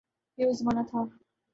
یہ وہ زمانہ تھا۔